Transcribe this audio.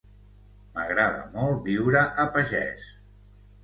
M'agrada molt viure a pagès